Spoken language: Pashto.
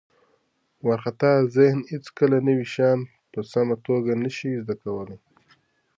وارخطا ذهن هیڅکله نوي شیان په سمه توګه نه شي زده کولی.